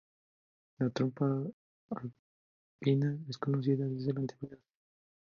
La trompa alpina es conocida desde la antigüedad.